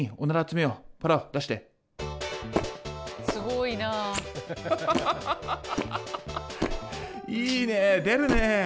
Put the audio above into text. いいね出るね。